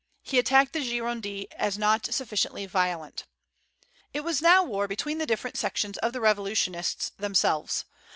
He attacked the Gironde as not sufficiently violent. It was now war between the different sections of the revolutionists themselves.